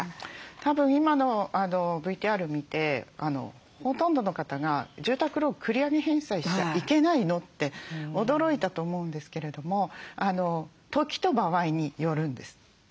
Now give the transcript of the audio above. たぶん今のＶＴＲ見てほとんどの方が住宅ローン繰り上げ返済しちゃいけないの？って驚いたと思うんですけれども時と場合によるんです。